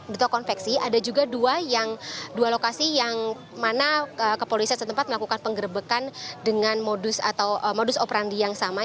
duto konveksi ada juga dua lokasi yang mana kepolisian setempat melakukan penggerbekan dengan modus operandi yang sama